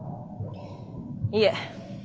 いえ